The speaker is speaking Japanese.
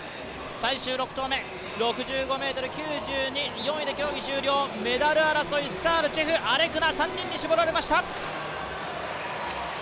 最終６投目、６５ｍ９２４位で競技終了、メダル争い、スタール、チェフ、アレクナ、３人に絞られました。